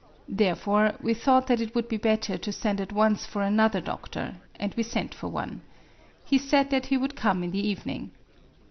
Therefore, we thought that it would be better to send at once for another doctor ; and we sent for one. He said that he would come in the evening.